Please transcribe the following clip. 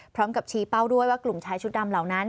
พร้อมกับชี้เป้าด้วยว่ากลุ่มชายชุดดำเหล่านั้น